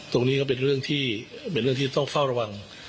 ตรงนี้ก็เป็นเรื่องที่เป็นเรื่องที่ต้องเฝ้าระวัง